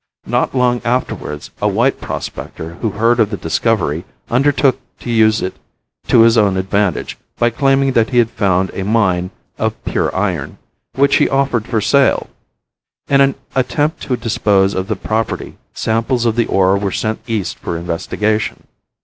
Not long afterwards a white prospector who heard of the discovery undertook to use it to his own advantage, by claiming that he had found a mine of pure iron, which he offered for sale. In an attempt to dispose of the property samples of the ore were sent east for investigation.